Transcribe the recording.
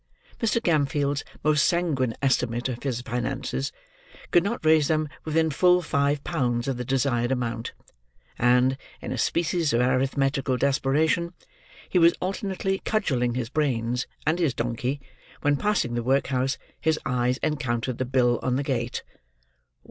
Mr. Gamfield's most sanguine estimate of his finances could not raise them within full five pounds of the desired amount; and, in a species of arithmetical desperation, he was alternately cudgelling his brains and his donkey, when passing the workhouse, his eyes encountered the bill on the gate.